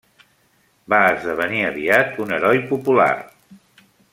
Va esdevenir aviat un heroi popular.